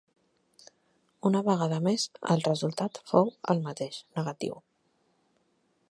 Una vegada més, el resultat fou el mateix negatiu.